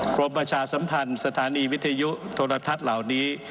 กรมประชาสัมพันธ์สถานีวิทยุโทรทัศน์เหล่านี้